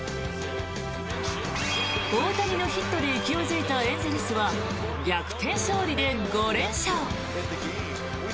大谷のヒットで勢い付いたエンゼルスは逆転勝利で５連勝。